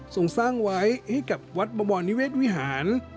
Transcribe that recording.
ส่งสร้างไว้ให้กับวัดบวรนิเวศวิหาร